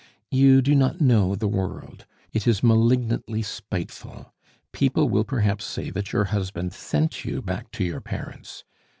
You do not know the world; it is malignantly spiteful. People will perhaps say that your husband sent you back to your parents.